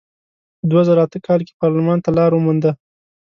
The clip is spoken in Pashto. په دوه زره اته کال کې پارلمان ته لار ومونده.